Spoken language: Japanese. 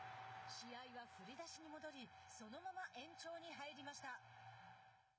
試合は振り出しに戻りそのまま延長に入りました。